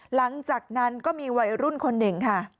หลังจากนั้นก็มีวัยรุ่นคนหนึ่งค่ะ